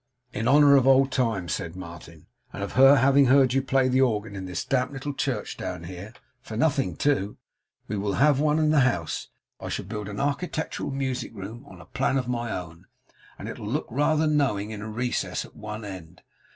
'In honour of old time,' said Martin, 'and of her having heard you play the organ in this damp little church down here for nothing too we will have one in the house. I shall build an architectural music room on a plan of my own, and it'll look rather knowing in a recess at one end.